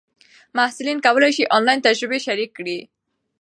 محصلین کولای سي آنلاین تجربې شریکې کړي.